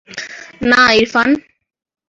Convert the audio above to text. না, ইরফান।